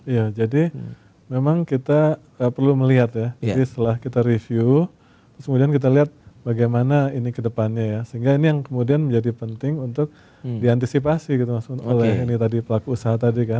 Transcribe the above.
iya jadi memang kita perlu melihat ya jadi setelah kita review terus kemudian kita lihat bagaimana ini kedepannya ya sehingga ini yang kemudian menjadi penting untuk diantisipasi gitu maksudnya oleh ini tadi pelaku usaha tadi kan